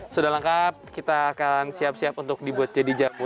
sudah lengkap kita akan siap siap untuk dibuat jadi jamu